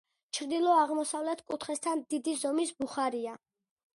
ჩრდილო-აღმოსავლეთ კუთხესთან დიდი ზომის ბუხარია.